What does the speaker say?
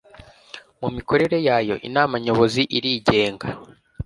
Mu mikorere yayo Inama Nyobozi irigenga